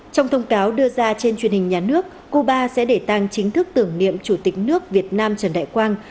trong thông cáo đưa ra trên truyền hình nhà nước cuba sẽ để tăng chính thức tưởng niệm chủ tịch nước việt nam trần đại quang